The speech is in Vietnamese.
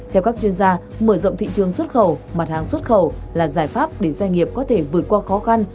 theo các chuyên gia mở rộng thị trường xuất khẩu mặt hàng xuất khẩu là giải pháp để doanh nghiệp có thể vượt qua khó khăn